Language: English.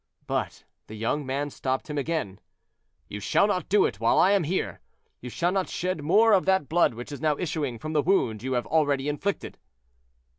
But the young man stopped him again. "You shall not do it, while I am here. You shall not shed more of that blood which is now issuing from the wound you hare already inflicted."